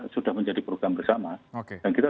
sudah menjadi program bersama dan kita